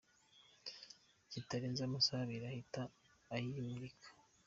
kitarenze amasaha Abiri ahita ayimurika.